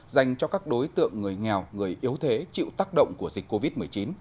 dành cho các đối tượng người nghèo người yếu thế chịu tác động của dịch covid một mươi chín